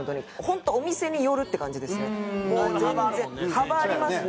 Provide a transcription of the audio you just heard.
幅ありますね。